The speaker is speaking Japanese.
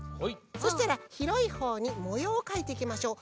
そうしたらひろいほうにもようをかいていきましょう。